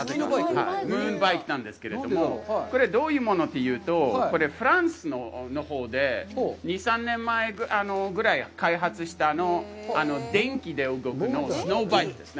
ムーンバイクなんですけれども、これ、どういうものというと、これはフランスのほうで２３年前ぐらい開発したの、電気で動くスノーバイクですね。